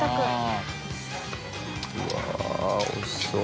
うわぁおいしそう。